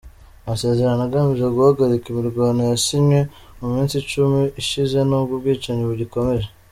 Amasezerano agamije guhagarika imirwano yasinywe mu misi icumi ishize, nubwo ubwicanyi bugikomeje.